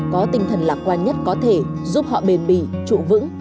có tinh thần lạc quan nhất có thể giúp họ bền bỉ trụ vững